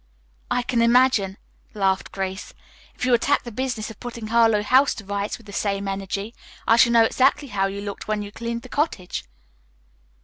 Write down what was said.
"I can imagine," laughed Grace. "If you attack the business of putting Harlowe House to rights with the same energy, I shall know exactly how you looked when you cleaned the cottage."